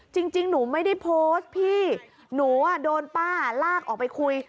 จริงหนูไม่ได้โพสต์พี่หนูโดนป้าลากออกไปคุย